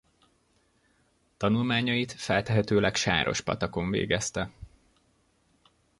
Tanulmányait feltehetőleg Sárospatakon végezte.